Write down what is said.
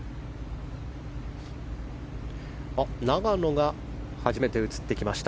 永野が初めて映ってきました。